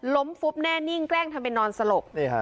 ฟุบแน่นิ่งแกล้งทำไปนอนสลบ